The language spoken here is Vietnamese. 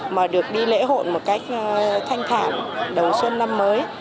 mà được đi lễ hội một cách thanh thản đầu xuân năm mới